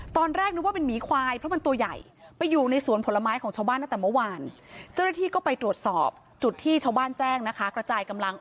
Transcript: ตอนแรกนึกว่าเป็นหมีควายเพราะมันตัวใหญ่ไปอยู่ในสวนผลไม้ของชาวบ้านตั้งแต่เมื่อวานเจ้าหน้าที่ก็ไปตรวจสอบจุดที่ชาวบ้านแจ้งนะคะกระจายกำลัง